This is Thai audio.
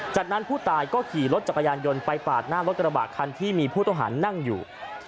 จากนั้นผู้ตายก็ขี่รถจักรยานยนต์ไปปาดหน้ารถกระบะคันที่มีผู้ต้องหานั่งอยู่